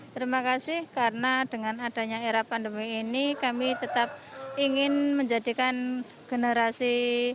terima kasih karena dengan adanya era pandemi ini kami tetap ingin menjadikan generasi